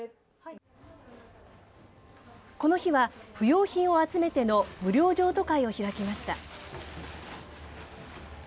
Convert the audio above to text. この日は、不用品を集めての無料譲渡会を開きました。